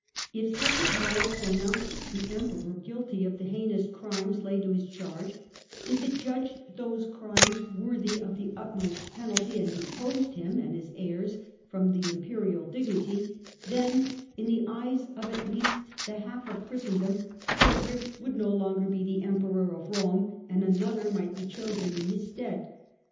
If such a power pronounced the Emperor guilty of the heinous crimes laid to his charge, if it judged those crimes to be worthy of the utmost penalty and deposed him and his heirs from the Imperial dignity, then, in the eyes of at least the half of Christendom, Frederick would no longer be the Emperor of Rome and another might be chosen in his stead.